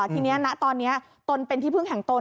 ทีนี้ณตอนนี้ตนเป็นที่พึ่งแห่งตน